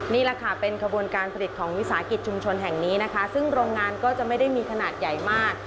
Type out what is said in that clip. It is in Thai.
นี่แหละค่ะเป็นขบวนการผลิตของวิสาหกิจชุมชนแห่งนี้นะคะซึ่งโรงงานก็จะไม่ได้มีขนาดใหญ่มาก